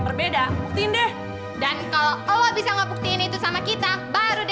berarti kan biasa makan